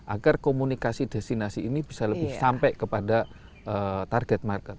agar komunikasi destinasi ini bisa lebih sampai kepada target market